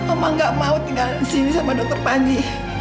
oma gak mau tinggal disini sama dokter panji